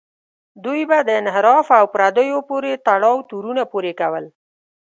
دوی به د انحراف او پردیو پورې تړاو تورونه پورې کول.